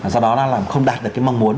do đó là không đạt được cái mong muốn